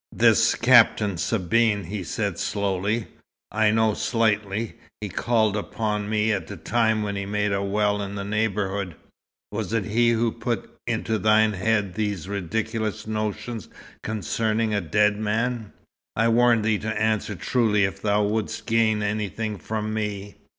"This Captain Sabine," he said slowly, "I know slightly. He called upon me at a time when he made a well in the neighbourhood. Was it he who put into thine head these ridiculous notions concerning a dead man? I warn thee to answer truly if thou wouldst gain anything from me."